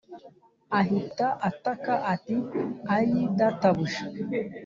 Ahita ataka ati ayii databuja